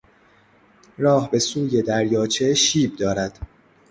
راه به سوی دریاچه شیب دارد.